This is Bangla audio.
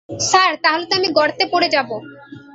স্যার, তাহলে তো আমি গর্তে পড়ে যাব।